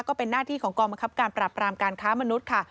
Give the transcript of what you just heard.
ก็เป็นหน้าที่ของกองบังคับการปรับรามการค้ามนุษย์ค่ะ